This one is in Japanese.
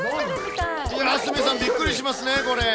いやー、鷲見さん、びっくりしますね、これ。